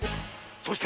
そして！